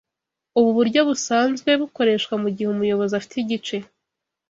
Ubu buryo busanzwe bukoreshwa mugihe umuyobozi afite igice